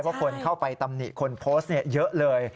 ว่าคนเข้าไปตำนิขนโพสต์เนี่ยเยอะเลย